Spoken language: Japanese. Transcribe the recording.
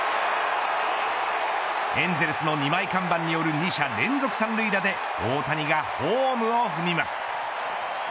エンゼルスの２枚看板による２者連続三塁打で大谷がホームを踏みます。